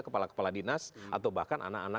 kepala kepala dinas atau bahkan anak anak